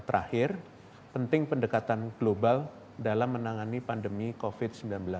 dan terakhir penting pendekatan global dalam menangani pandemi covid sembilan belas